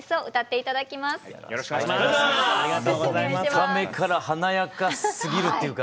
見た目から華やかすぎるというか。